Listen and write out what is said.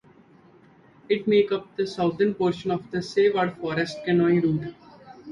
It makes up the southern portion of the Sayward Forest Canoe Route.